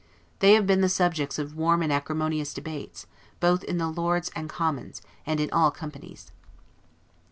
They have been the subjects of warm and acrimonious debates, both in the Lords and Commons, and in all companies.